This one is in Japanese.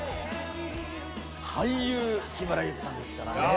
俳優、日村勇紀さんですからね。